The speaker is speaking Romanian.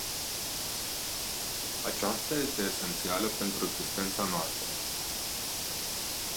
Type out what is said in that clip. Aceasta este esențială pentru existența noastră.